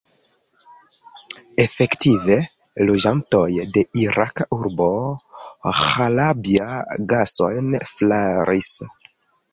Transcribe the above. Efektive, loĝantoj de iraka urbo Ĥalabja gasojn flaris.